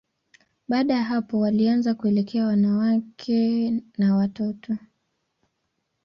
Baada ya hapo, walianza kuelekea wanawake na watoto.